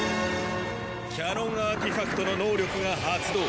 キャノンアーティファクトの能力が発動。